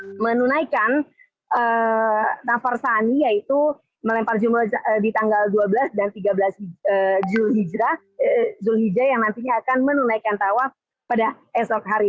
untuk menunaikan nafar sani yaitu melempar jumroh di tanggal dua belas dan tiga belas zulhijjah yang nantinya akan menunaikan tawaf pada esok hari